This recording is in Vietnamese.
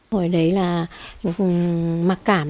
hồi đấy là mặc cảm